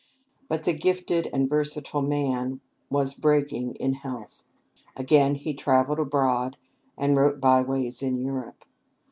But the gifted and versatile man was breaking in health. Again he travelled abroad, and wrote "Byways in Europe."